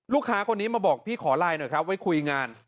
ลูกค้าคนนี้มาบอกพี่ขอไลน์หน่อยครับไว้คุยงาน